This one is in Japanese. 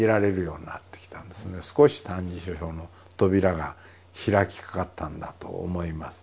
少し「歎異抄」の扉が開きかかったんだと思います。